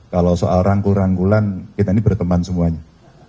kalau soal rangkul rangkulan kita ini berteman semuanya